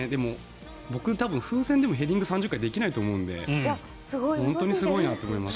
僕は風船でもヘディング３０回できないと思うんで本当にすごいなと思います。